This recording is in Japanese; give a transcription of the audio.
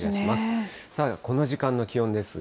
この時間の気温ですが。